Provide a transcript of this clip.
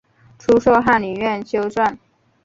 初授翰林院修撰。